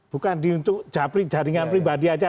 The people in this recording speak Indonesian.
bukan untuk jaringan pribadi aja